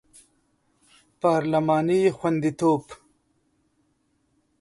پارلماني خوندیتوب